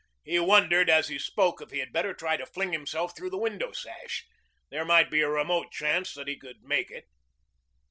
He wondered as he spoke if he had better try to fling himself through the window sash. There might be a remote chance that he could make it.